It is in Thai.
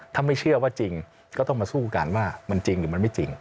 ถ้าไม่เชื่อว่าจริงก็ต้องมาสู้กันว่ามันจริงหรือมันไม่จริง